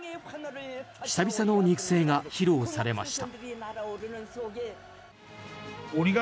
久々の肉声が披露されました。